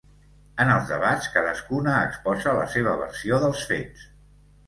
En els debats, cadascuna exposa la seva versió dels fets.